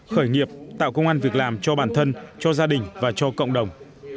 khởi nghiệp tạo công an việc làm cho bản thân cho gia đình và cho cộng đồng